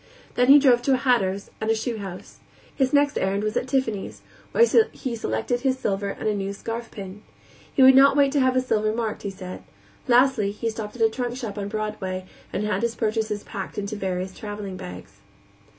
Then he drove to a hatter's and a shoe house. His next errand was at Tiffany's, where he selected his silver and a new scarf pin. He would not wait to have his silver marked, he said. Lastly, he stopped at a trunk shop on Broadway and had his purchases packed into various traveling bags.